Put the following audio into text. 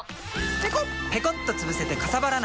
ペコッとつぶせてかさばらない！